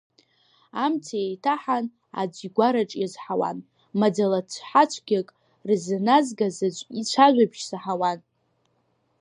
Амц еиҭаҳан аӡә игәараҿ иазҳауан, маӡа-лацҳацәгьак рызназгаз аӡә ицәажәабжь саҳауан.